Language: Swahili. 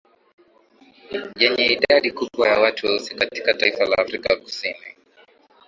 Yenye idadi kubwa ya watu weusi katika taifa la Afrika Kusini